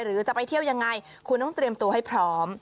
หรือจะไปเที่ยวยังไงคุณต้องเตรียมตัวให้พร้อม